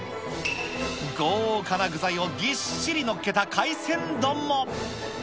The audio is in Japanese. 豪華な具材をぎっしりのっけた海鮮丼も。